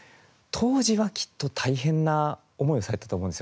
当時はきっと大変な思いをされたと思うんですよね。